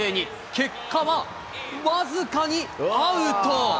結果は、僅かにアウト。